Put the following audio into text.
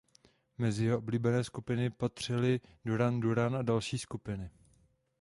Mezi jeho oblíbené skupiny patřili Duran Duran a další skupiny.